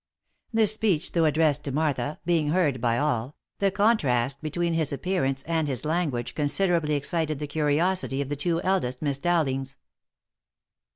This speech, though addressed to Martha, being heard by all, the contrast between his appearance and his language considerably ex cited the curiosity of the two eldest Miss Dowlings.